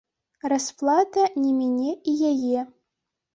Расплата не міне і яе.